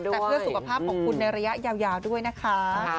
แต่เพื่อสุขภาพของคุณในระยะยาวด้วยนะคะ